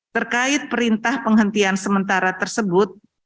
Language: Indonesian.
terkait perintah penghentian sementara tersebut